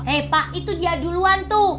eh pak itu dia duluan tuh